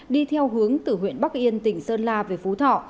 đi theo hướng từ huyện bắc yên tỉnh sơn la về phú thọ